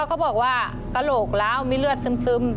ก็บอกว่าตลกร้าวมีเลือดซึม